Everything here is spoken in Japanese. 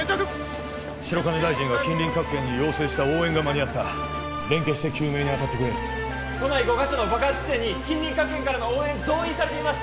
白金大臣が近隣各県に要請した応援が間に合った連携して救命にあたってくれ都内５カ所の爆発地点に近隣各県からの応援増員されています！